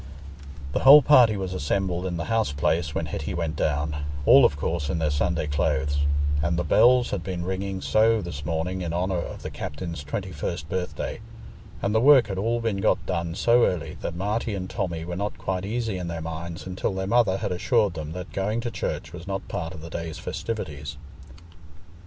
The whole party was assembled in the house place when Hetty went down, all of course in their Sunday clothes; and the bells had been ringing so this morning in honour of the captain's twenty first birthday, and the work had all been got done so early, that Marty and Tommy were not quite easy in their minds until their mother had assured them that going to church was not part of the day's festivities.